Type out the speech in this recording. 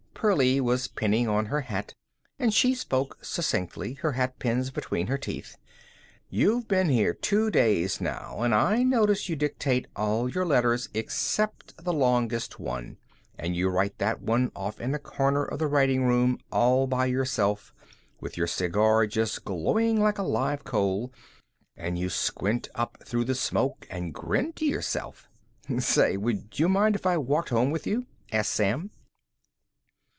Pearlie was pinning on her hat, and she spoke succinctly, her hatpins between her teeth: "You've been here two days now, and I notice you dictate all your letters except the longest one, and you write that one off in a corner of the writing room all by yourself, with your cigar just glowing like a live coal, and you squint up through the smoke, and grin to yourself." "Say, would you mind if I walked home with you?" asked Sam.